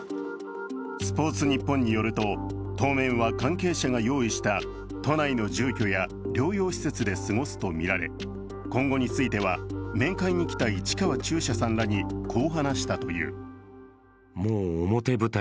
「スポーツニッポン」によると当面は関係者が用意した都内の住居や療養施設で過ごすとみられ今後については、面会に来た市川中車さんらにこう話したという。